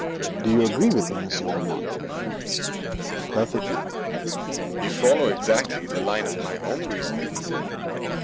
Do you agree with me, Monsieur Valmont?' 'Perfectly. You follow exactly the line of my own reasoning.'